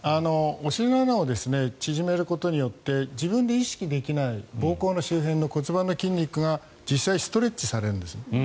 お尻の穴を縮めることによって自分で意識できない膀胱の周辺の骨盤の筋肉が実際にストレッチされるんです。